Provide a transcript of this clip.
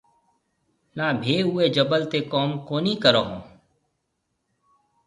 نا مهيَ اُوئي جبل تي ڪوم ڪونهي ڪرون هون۔